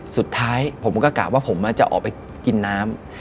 สุดท้ายผมก็กะว่าผมจะออกไปกินน้ำ